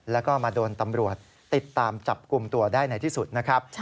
แล้วก็มาโดนตำรวจติดตามจับกลุ่มตัวได้ในที่สุดนะครับ